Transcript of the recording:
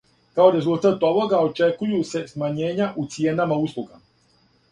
Као резултат овога очекују се смањења у цијенама услуга.